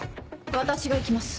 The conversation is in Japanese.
私が行きます。